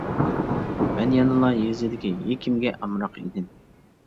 مەن يەنىلا يېزىدىكى ھېكىمگە ئامراق ئىدىم.